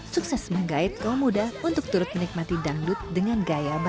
sukses menggait kaum muda untuk turut menikmati dangdut dengan gaya baru